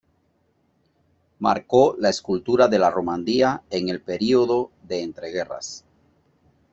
Marcó la escultura de la Romandía en el período de entreguerras.